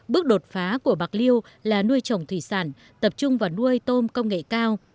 bước đột phá của bạc liêu là nuôi trồng thủy sản tập trung vào nuôi tôm công nghệ cao